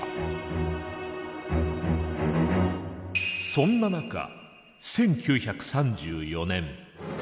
そんな中１９３４年。